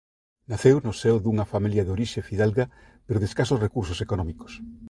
Naceu no seo dunha familia de orixe fidalga pero de escasos recursos económicos.